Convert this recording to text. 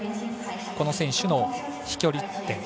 この選手の飛距離点。